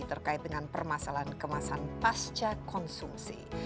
terkait dengan permasalahan kemasan pasca konsumsi